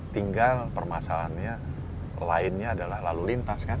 tinggal permasalahannya lainnya adalah lalu lintas kan